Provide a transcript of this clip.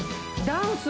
ダンス！？